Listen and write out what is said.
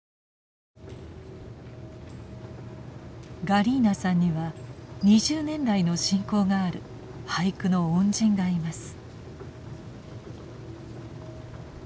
ガリーナさんには２０年来の親交がある俳句の恩人がいます。